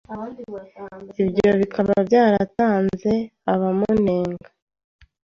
ibyo bikaba byaratanze abamunenga